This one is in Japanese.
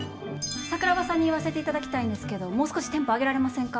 桜庭さんに言わせていただきたいんですけどもう少しテンポ上げられませんか？